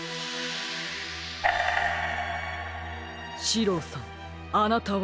シローさんあなたは。